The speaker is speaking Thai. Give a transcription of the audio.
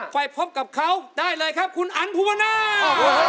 ไปพบกับเขาได้เลยครับคุณอันภูวนาศ